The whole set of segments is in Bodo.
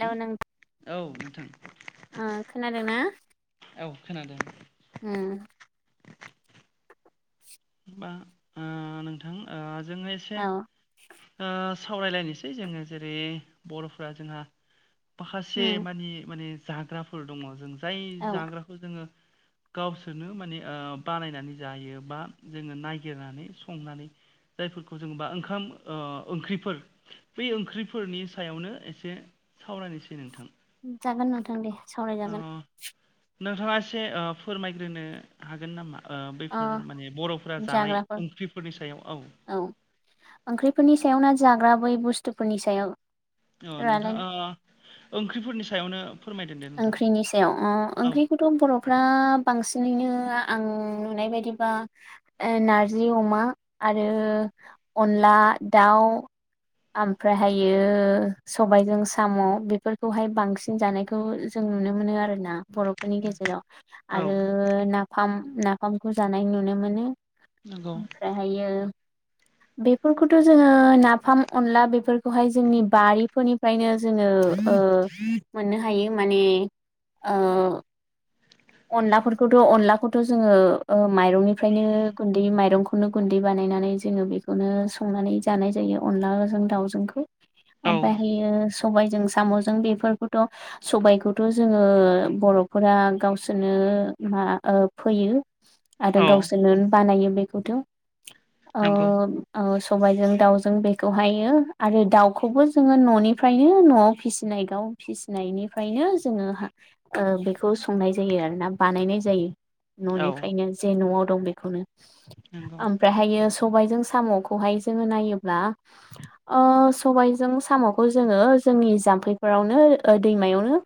हेलौ नों औ नोंथां ओ औ खोनादों होम बा नोंथां जोङो एसे औ सावरायलायनोसै जोङो जेरै बर'फोरा जोंहा माखासे उम मानि माने जाग्राफोर दङ जों जाय औ जाग्राखौ जोङो। गावसोरनो माने बानायनानै जायो बा जोङो नायागिरनानै संनानै जायफोरखौ जोबा ओंखाम ओ ओंख्रिफोर बै ओंख्रिफोरनि सायावनो एसे सावरायनोसै नोंथां। जागोन नोंथां दे सावराय जागोन‌। ओ नोंथाङा एसे फोरमायग्रोनो हागोन नामा अ बैफोर माने बर'फोरा जानाय जाग्राफोर ओंख्रिफोरनि सायाव औ ओंख्रिफोरनि सायाव ना जा बै बुस्थुफोरनि सायाव अ रालायनो नोंथाङा ओंख्रिफोरनि सायावनो। फोरमायदों दे नोंथां ओंख्रिनि सायाव अ औ ओंख्रिखौथ' बर' फ्रा बांसिनैनो आं नुनाय बायदिबा नारजि अमा आरो अनला दाउ। ओमफ्रायहायो सबाइजों साम' बेफोरखौहाय बांसिन जानाय बेखौ जों नुनो मोनो आरोना बर'फोरनि गेजेराव औ आरो नाफाम। नाफामखौ जानाय नुनो मोनो नंगौ ओमफ्रायहायो। बेफोरखौथ' जोङो नाफाम अनला बेफोरखौहाय जोंनि बारिफोरनिफ्रायनो जोङो। ओ मोननो हायो माने ओ। अनलाफोरखौथ' अनलाखौथ' जोङो ओ माइरंनिफ्रायनो गुन्दै माइरंखौनो गुन्दै बानाय। बानायनानै जोङो बेखौनो संनानै जानाय जायो अनलाजों दाउजोंखौ। औ ओमफ्रायहायो। सबायजों साम'जों बेफोरखौथ' सबायखौथ' जोङो बर'फोरा गावसोर गावसोरनो मा ओ फोयो आरो औ गावसोरनो बानायो बेखौथ' औ नंगौ औ। सबायाइजों दाउजों बेखौहायो आरो दाउखौबो जोङो न'निफ्रायनो न'आव फिसिनाय गाव फिसिनायनिफ्रायनो जोङो बेखौ संनाय जायो आरोना बानायनाय जायो औ न'निफ्रायनो जे न'आव दं बेखौनो। नंगौ आमफ्रायहायो। सबायजों साम'खौहाय जोङो नायोब्ला सबायजों साम'खौ जोङो। जोंनि जाम्फैफोरावनो दैमायावनो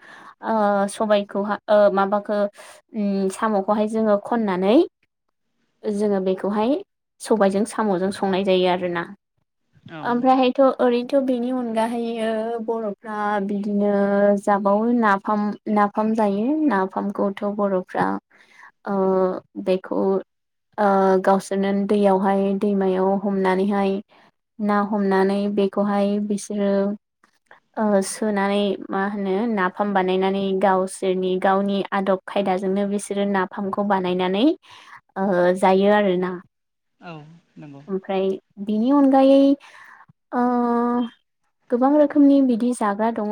सबाइखौहा मा ओ उम साम'खौहाय जोङो खननानै जोङो बेखौहाय सबायजों साम'जों संनाय जायो आरोना। औ ओमफ्रायहायथ' ओरैनो बेनि अनगायैबो बर'फ्रा बिदिनो जाबावो नाफाम नाफाम जायो नाफामखौथ' बर'फ्रा बेखौ ओ गावसोरनो दैयावहाय दैमायाव हमनानैहाय ना हमनानै बेखौहाय बिसोरो ओ सुनानै मा होनो नाफाम बानायनानै गावसोरनि गावनि आदब खायदाजोंनो बिसोरो नाफामखौ बानायनानै जायो आरोना। औ नंगौ ओमफ्राय बिनि अनगायै। गोबां रोखोमनि बिदि जाग्रा दङ।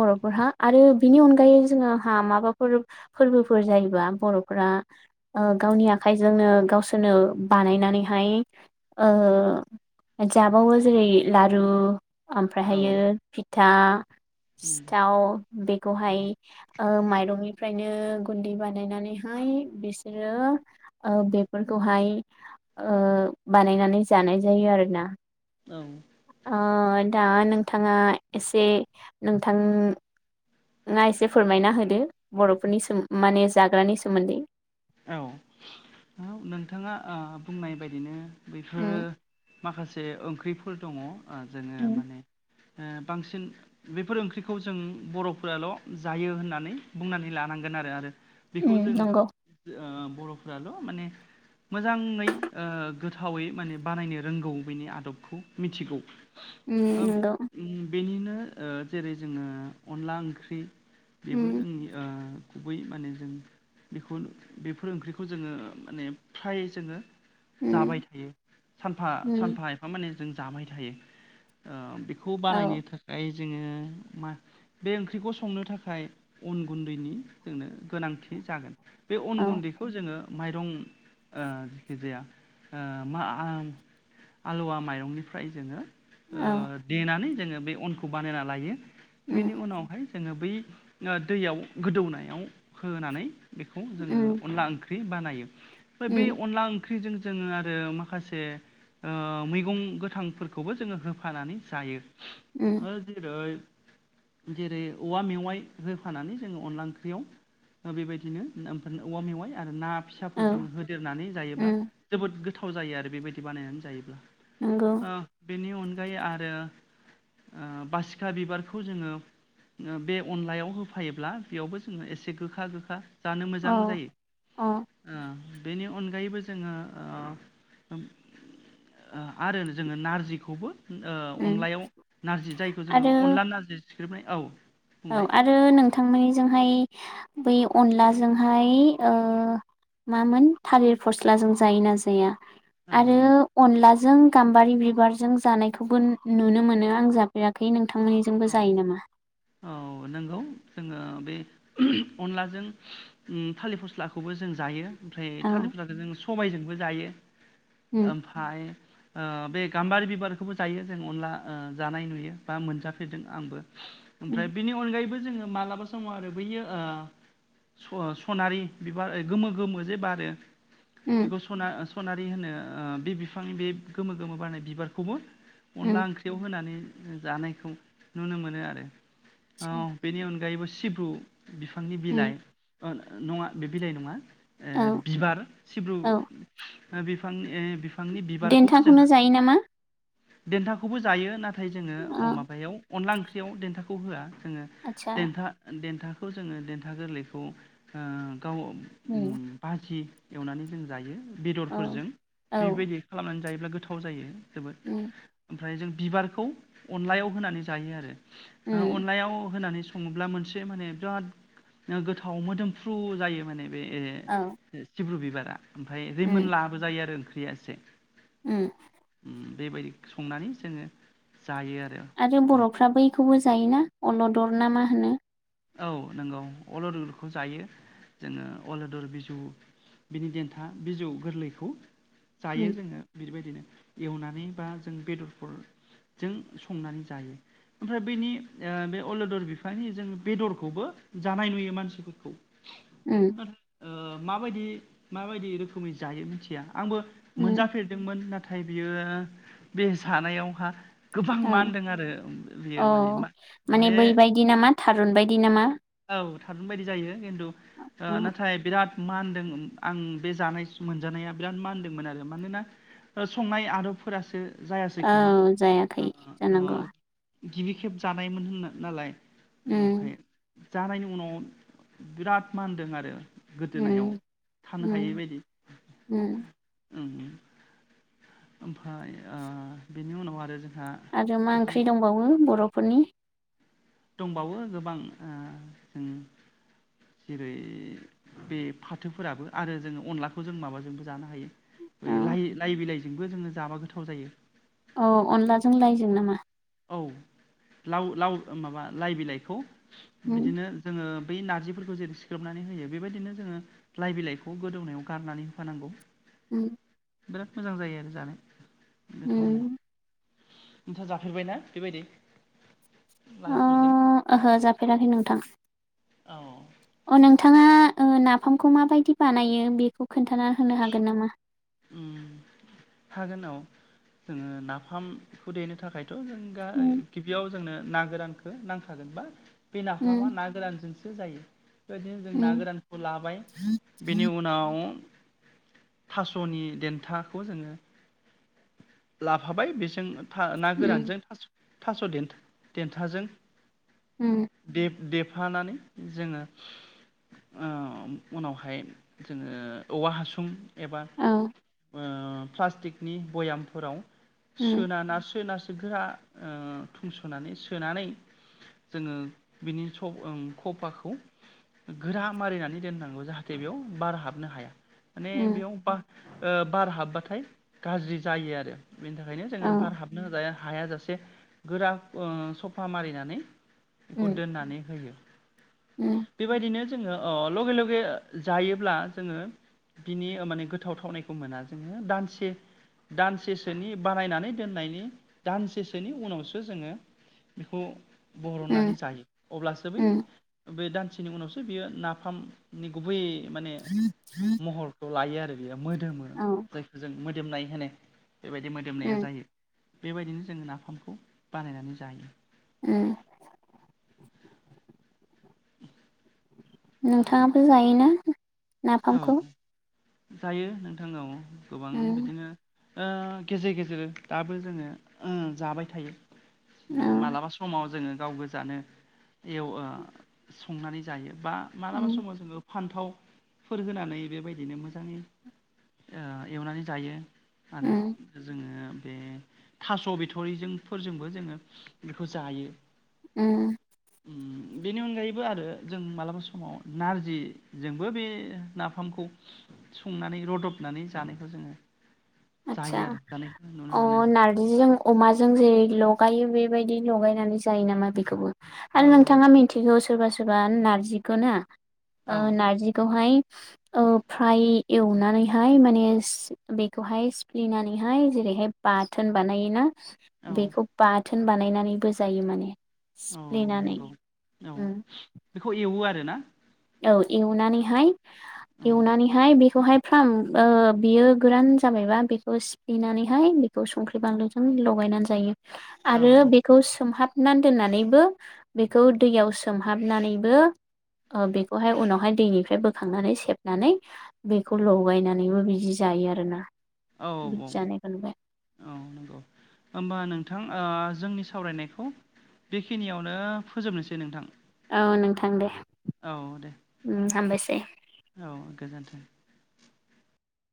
बर'फोरहा आरो बिनि अनगायै जोङो हा माबा फोरबोफोर जायोबा बर'फोरा गावनि आखाइजोंनो गावसोरनो बानायनानैहाय ओ जाबावो जेरै लारु औ नंगौ औ ओमफ्रायहायो फिथा सिथाव बेखौहाय औ माइरंनि बिनो गुन्दै बानायनानैहाय बिसोरो बेफोरखौहाय ओ बानायनानै जानाय जायो आरोना। औ ओ दा नोंथांङा एसे नोंथां। नोंथांआ एसे फोरमायना होदो बरफोरनि सोमोन्दै माने जाग्रानि सोमोन्दै। औ औ नोंथांङा बुंनाय बायदिनो उम बेफोरो। माखासे ओंख्रिफोर दङ जोंङो उम माने। ओ बांसिन बेफोर ओंख्रिखौ जों बरफोराल जायो होननानै बुंनानै लानांगोन आरो आरो। उम बेखौ जोंङो नंगौ बरफ्राल माने। मोजांङै गोथावै माने बानायनो रोंगौ बेनि आदबखौ मिथिगौ। उम ओ नंगौ। बेनिनो जेरै जोंङो अनला ओंख्रि बेबो उम जोंनि। गुबै माने जों बेखौ बेफोर ओंख्रिखौ जोंङो माने फ्राय जोंङो। जाबाय उम थायो सानफा उम सानफा एफा माने जों जाबाय थायो बेखौ। बेखौ औ बानायनो थाखाय। जोंङो मा बे ओंख्रिखौ संनो थाखाय अन गुन्दैनि जोंनो। गोनांथि जागोन बे अन औ गुन्दैखौ जोंङो। माइरं जायखि जाया मा। आलुवा माइरंनिफ्राय जोंङो। औ देनानै जोंङो बे अनखौ बानायना लायो उम बेनि उनावहाय जोंङो। बै दैयाव गोदौनायाव होनानै बेखौ जोंङो उम अनला ओंख्रि। ओंख्रि बानायो ओमफ्राय बे उम अनला ओंख्रिजों। जोंङो आरो माखासे मैगं गोथांफोरखौबो जोंङो होफानानै जायो। [inaudible] उम जेरै औवा मेवाइ होफानानै जोंङो अनला ओंख्रियाव बेबायदिनो। औवा मेवाइ आरो ना फिसाफोरजों औ होदेरनानै जायोब्ला उम जोबोद गोथाव। गोथाव जायो आरो बेबायदि बानायनानै जायोब्ला नंगौ बेनि अनगायै आरो। बासिखा बिबारखौ जोंङो। बे अनलायाव होफायोब्ला बेयावबो जोंङो एसे गोखा गोखा। जानो औ मोजां जायो। औ बेनि अनगायैबो जोंङो। आरो जोंङो नारजिखौबो। उम अनलायाव नारजि जायखौ जोंङो आरो अनला नारजि सिफ्लेनाय औ। औ बुंलाय आरो नों। थांनायजोंहाय बै अनलाजोंहाय। मामोन थालिर फस्लाजों जायोना जाया औ आरो अनलाजों। जों गाम्बारि बिबारजों जानायखौबो नुनो मोनो आं जाफेराखै नों। थांनायजोंबो औ जायो नामा। औ नंगौ जोंङो बे अनलाजों थालिर फस्लाखौबो जों जायो। ओमफ्राय औ थालिर फस्लाखौ जों सबायजोंबो जायो उम ओमफ्राय। बे गाम्बारि बिबारखौबो जायो जों अनला जानाय नुयो बा मोनजाफेरदों आंबो। ओमफ्राय उम बेनि अनगायैबो जोंङो मालाबा समाव आरो बैयो। सनारि बिबार गोमो गोमो जे बारो। उम बेखौ सना सनारि होनो बे बिफांनि बे गोमो गोमो बारनाय बिबारखौबो। उम अनला ओंख्रियाव होनानै जानायखौ नुनो मोनो आरो। बेनि अनगायैबो सिब्रु बिफांनि उम बिलाय। नङा बे बिलाइ नङा औ बिबार सिब्रु। औ बिफां बिफांनि बिबारखौबो देन्थाखौनो जोंङो जायो नामा? देन्थाखौबो जायो नाथाय। नाथाय जोंङो अ माबायाव अनला ओंख्रियाव देन्थाखौ होनाय आतसा जाया। बेखौ जोंङो देन्था गोरलैखौ गाव। उम [inaudible] एवनानै जों जायो औ बेदरफोरजों औ बेबायदि खालामनानै जायोब्ला गोथाव जायो। जोबोद उम ओमफ्राय जों बिबारखौ अनलायाव होनानै जायो आरो। उम अनलायाव होनानै। सङोब्ला मोनसे माने बिराद नो गोथाव मोदोमफ्रु जायो माने बे औ सिब्रु बिबारा ओमफ्राय उम रैमोनलाबो जायो आरो ओंख्रिया एसे उम। उम बेबायदि संनानै जोङो जायो आरो। बेखौबो जायोना अल'दर ना मा होनो औ नंगौ अल'दरखौ जायो जोङो अल'दर बिजौ बिनि देन्था बिजौ गोरलैखौ जायो उम जोङो बेबायदि बिदिनो एवनानै बा जों बेदरफोर जों संनानै जायो ओमफ्राय बेैनि ओ बे अलदर बिफानि जों बेदरखौबो जानाय नुयो मानसिफोरखौ उम नाथाय ओ माबायदि माबायदि रोखोमै जायो मिथिया आंबो उम मोनजाफेरदोंमोन ना- थाय बियो बे जानायावहा गोबां औ मानदों आरो औ बेयो माने माने बैबायदि नामा थारुन बायदि नामा औ थारुन बायदि जायो खिन्थु ओ नाथाय बिराद बिराद मानदों आं बे जानाय मोनजानाया बिराद मानदोंमोन आरो मानोना ओ संनाय आदबफोरासो जायासै औ खोमा ओ जायाखै जानांगौ गिबि खेब जानायमोन होनो नालाय उम ओमफ्राय जानायनि उनाव बिराद मानदों आरो उम गोदोनायाव थानो उम हायैबायदि उम उम उम ओमफ्राय ओ बेनि उनाव आरो जों आरो मा ओंख्रि दंबावो बर'फोरनि दंबावो गोबां ओ ओ जेरै बे फाथोफोराबो आरो जोङो अनलाखौ जों माबाजोंबो जानो हायो औ बै लाइ लाइ बिलाइजोंबो जोङो जाबा गोथाव जायो औ अनलाजों लायजों नामा औ लाव लाव ओ माबा लाइ बिलाइखौ उम बिदिनो जोङो बै नारजिफोरखौ जेरै सिख्रोबनानै होयो बेबायदिनो जोङो लाइ बिलाइखौ गोदौनायाव गारनानै होफानांगौ उम बिराद मोजां जायो आरो जानो गोथावनो उम [unintelligible] नुबायना बेबायदि ओ लाइफोरजों ओहो जाफेराखै नोंथां औ अ नोंथाङा ओ नाफामखौ माबायदि बानायो बेखौ खोन्थाना होनो हागोन नामा उम हागोना औ नोङो नाफामखौ देनो थाखाय थ' जों दा उम गिबियाव जोंनो ना गोरानखौ नांखागोन बा बे नाफामा उम ना गोरानजोंसो जायो बेबायदिनो जों ना उम गोरानखौ लाबाय बेनि उनाव था- स'नि देन्थाखौ जोङो लाफाबाय बेजों था ना उम गोरानजों थास 'थास' देनथा देन्थाजों उम देब देफानानै जोङो ओ उनावहाय जोङो औवा हासुं एबा ओ ओ प्लास्टिकनि बयामफोराव उम सोना ना सोना गोरा ओ थुंस'नानै सोनानै जोङो बिनि स ओं खफाखौ गोरा मारिनानै दोननांगौ जाहाथे बेयाव बार हाबनो हाया माने उम बेयाव ब ओ बार हाबबाथाय गाज्रि जायो आरो बेनि थाखायनो औ जोङो बार हाबनो हाया जासे गोरा सफा मारिनानै बेखौ उम दोननानै होयो उम बेबायदिनो जोंङो अ लगे लगे जायोब्ला जोङो बिनि माने गोथाव थावनायखौ मोना जोङो दानसे दानसेसोनि बानायनानै दोननायनि दाननैसोनि उनावसो जोङो बेखौ उम बरहननानै जायो अब्लासो उम बै दान दाननैसिनि उनावसो बियो नाफामनि गुबै माने महरखौ लायो आरो बियो मोनो। मोदोमो औ जायखौ जों मोदोमनाय होनो बेबायदि मोदोमनाया उम जायो। बेबायदिनो जोङो नाफामखौ बानायनानै जायो। उम नोंथांङाबो जायोना औ नाफामखौ। जायो नोंथां औ गोबां उम बिदिनो। ओ गेजेर गेजेर दाबो जोङो जाबाय थायो। औ मालाबा समाव जोङो गाव गोजानो एव आ संनानै जायो बा मालाबा उम समाव जोङो। फान्थाव फोर होनानै बेबायदिनो मोजाङै एवनानै ओ जायो। आरो उम जोङो। बे थास' बिथरिजों फोरजोंबो जोङो बेखौ जायो। उम बेनि अनगायैबो आरो जों मालाबा समाव नारजि जोंबो बे नाफामखौ संनानै रदबनानै जानायखौ जोङो जायो आतसा आरो जानायखौ नुनो अ मोनो नारजिजों अमाजों जेरै लगायो बेबायदि लगायनानै जायो नामा बेखौबो? औ आरो नोंथाङा मिथिगौ सोरबा सोरबा नार्जिखौ ना औ नार्जिखौहाय ओ फ्राय एवनानैहाय माने बे हाय सिप्ले नानै हाय जेरैहाय बाथोन बानायोना औ बेखौ बाथोन बाथोन बानायनानैबो जायो माने औ सिफ्लेनानै नंगौ उम ना औ एवनानै हाय औ एवनानै हाय बेखौहाय फ्राम बियो गोरान जाबायबा बेखौ सिफ्लेनानै हाय संख्रि बानलुजों लायनानै जायो औ आरो बेखौ सोमहाब सोमहाबनानै दोननानैबो बेखौ दैयाव सोमहाबनानैबो ओ बेखौहाय उनावहाय दैनिफ्राय बोखांनानै सेबनानै बेखौ लगायनानैबो बिदि जायो। आरो ना? औ औ औ औ नंगौ होनोमबा नोंथां। जोंनि सावरायनायखौ बेखिनियावनो फोजोबनोसै नोंथां। औ नोंथां दे। औ दे उम हामबायसै औ गोजोन्थों।